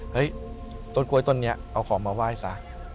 ต้นกล้วยต้นนี้เอาของมาไหว้ซะ